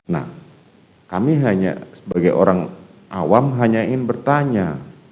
nah kami hanya sebagai orang awam hanya ingin bertanya